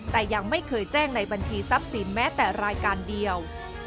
แต่ยังไม่เคยแจ้งในบัญชีทรัพย์สินแม้แต่รายการเดียว